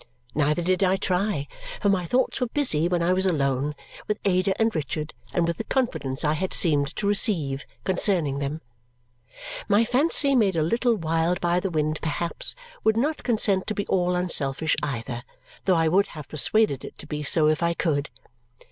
Neither did I try, for my thoughts were busy when I was alone, with Ada and Richard and with the confidence I had seemed to receive concerning them. My fancy, made a little wild by the wind perhaps, would not consent to be all unselfish, either, though I would have persuaded it to be so if I could.